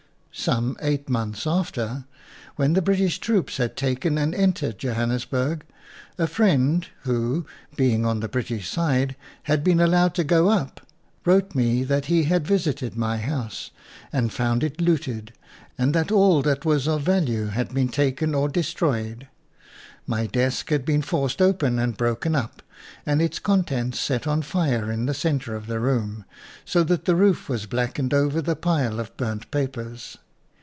Some eight months after, when the Bri tish troops had taken and entered Jo hannesburg, a friend, who, being on the British side, had been allowed to go up, wrote me that he had visited my house and found it looted and that all that was of value had been taken or destroyed; my desk had been forced open and broken up, and its contents set on fire in the center of the room, so that the roof was blackened over the pile of burnt papers.